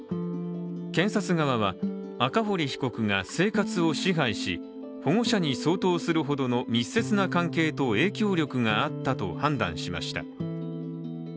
検察側は、赤堀被告が生活を支配し保護者に相当するほどの密接な関係と影響力があったと判断しました。